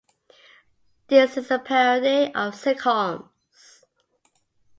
This is a parody of sitcoms.